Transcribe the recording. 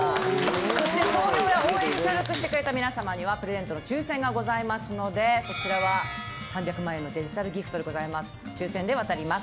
そして投票や応援に協力してくれた皆さまにはプレゼントの抽せんがございますのでこちらは３００万円分のデジタルギフトです。